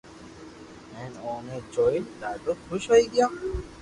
ھين اوني جوئين ڌاڌو خوݾ ھوئي گيو